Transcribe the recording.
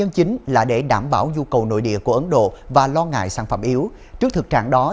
chính là để đảm bảo nhu cầu nội địa của ấn độ và lo ngại sản phẩm yếu trước thực trạng đó